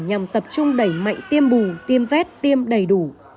nhằm tập trung đẩy mạnh tiêm bù tiêm vét tiêm đầy đủ